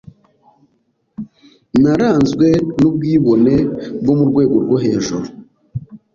naranzwe n’ubwibone bwo mu rwego rwo hejuru,